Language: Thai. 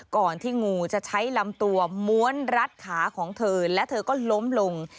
ก่อนที่งูจะใช้ลำตัวม้วนรัดขาของเธอและเธอก็ล้มลง